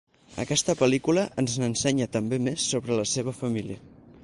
Aquesta pel·lícula ens n'ensenya també més sobre la seva família.